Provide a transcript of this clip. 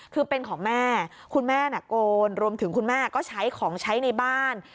คือเป็นของแม่คุณแม่น่ะโกนรวมถึงคุณแม่ก็ใช้ของใช้ในบ้าน